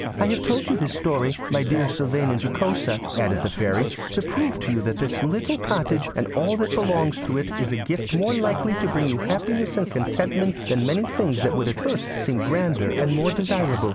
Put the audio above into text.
'I have told you this story, my dear Sylvain and Jocosa,' added the Fairy, 'to prove to you that this little cottage and all that belongs to it is a gift more likely to bring you happiness and contentment than many things that would at first seem grander and more desirable.